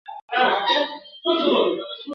نور زلمي به وي راغلي د زاړه ساقي تر کلي ..